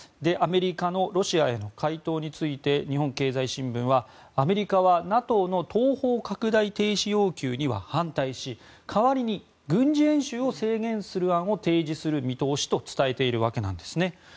アメリカのロシアへの回答について日本経済新聞はアメリカはＮＡＴＯの東方拡大停止要求には反対し代わりに軍事演習を制限する案を提示する見通しと伝えているわけです。